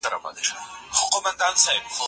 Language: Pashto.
لارښود استاد باید شاګرد ته بشپړه خپلواکي ورکړي.